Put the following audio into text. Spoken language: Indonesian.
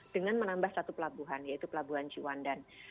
dengan menambah satu pelabuhan yaitu pelabuhan ciwandan